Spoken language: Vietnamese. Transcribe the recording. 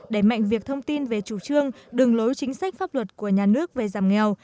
đẩy mạnh việc thông tin về chủ trương đường lối chính sách pháp luật của nhà nước về giảm nghèo